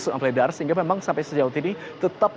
sehingga memang sampai sejauh ini tetap